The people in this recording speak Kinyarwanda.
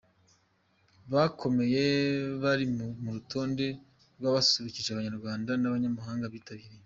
bakomeye bari ku rutonde rw’abasusurukije abanyarwanda n’abanyamahanga bitabiriye.